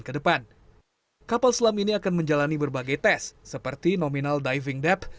kedepan kapal selam ini akan menjalani berbagai tes seperti nominal diving dep